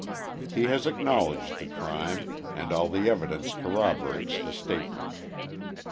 lie has acknowledged the crime, and all the evidence corroborates the statement.